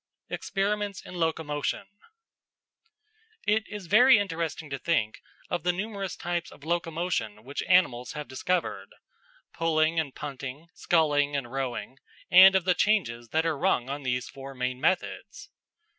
Experiments in Locomotion It is very interesting to think of the numerous types of locomotion which animals have discovered pulling and punting, sculling and rowing, and of the changes that are rung on these four main methods.